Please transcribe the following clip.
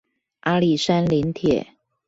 阿里山林鐵